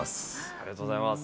ありがとうございます。